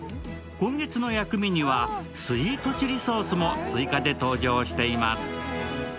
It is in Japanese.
今月の薬味にはスイートチリソースも登場しています。